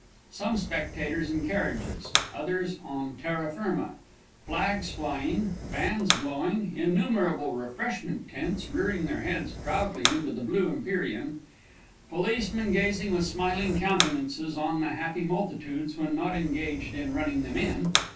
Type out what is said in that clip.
Some spectators in carriages; others on terra firma; flags flying; bands blowing; innumerable refreshment tents rearing their heads proudly into the blue Empyrean; policemen gazing with smiling countenances on the happy multitudes when not engaged in running them in.